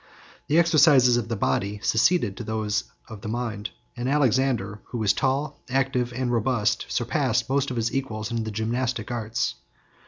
The exercises of the body succeeded to those of the mind; and Alexander, who was tall, active, and robust, surpassed most of his equals in the gymnastic arts.